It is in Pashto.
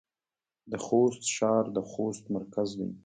د خوست ښار د خوست مرکز دی